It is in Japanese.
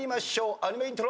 アニメイントロ。